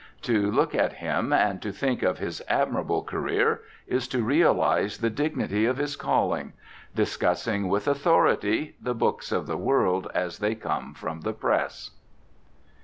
To look at him and to think of his admirable career is to realise the dignity of his calling discussing with authority the books of the world as they come from the press.